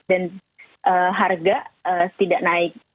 dan harga tidak naik